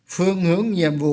phương hướng nhiệm vụ